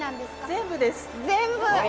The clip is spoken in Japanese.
全部です。